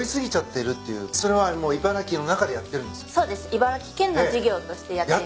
茨城県の事業としてやっています。